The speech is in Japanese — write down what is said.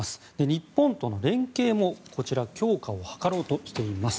日本との連携も、こちら強化を図ろうとしています。